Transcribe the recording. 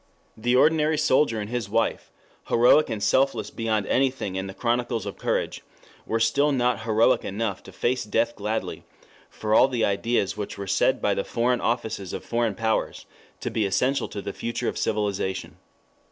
The ordinary soldier and his wife, heroic and selfless beyond anything in the chronicles of courage, were still not heroic enough to face death gladly for all the ideas which were said by the foreign offices of foreign powers to be essential to the future of civilization.